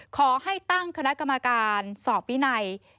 ขอให้ตั้งคณะกรรมการสอบวินัย